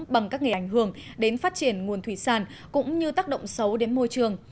bằng các nghề ảnh hưởng đến phát triển nguồn thủy sản cũng như tác động xấu đến môi trường